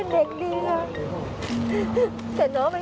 น้องไม่เคยเตะเล่เท่าไร